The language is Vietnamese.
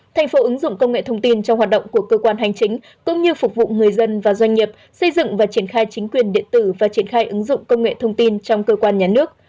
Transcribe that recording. thành phố ứng dụng công nghệ thông tin trong hoạt động của cơ quan hành chính cũng như phục vụ người dân và doanh nghiệp xây dựng và triển khai chính quyền điện tử và triển khai ứng dụng công nghệ thông tin trong cơ quan nhà nước